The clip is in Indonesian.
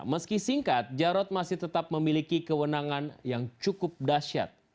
meski singkat jarod masih tetap memiliki kewenangan yang cukup dasyat